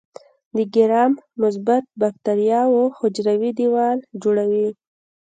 د ګرام مثبت باکتریاوو حجروي دیوال جوړوي.